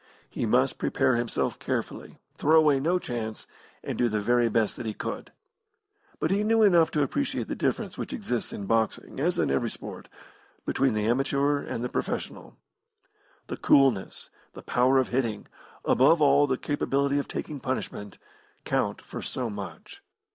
He must prepare himself carefully, throw away no chance, and do the very best that he could. But he knew enough to appreciate the difference which exists in boxing, as in every sport, between the amateur and the professional. The coolness, the power of hitting, above all the capability of taking punishment, count for so much.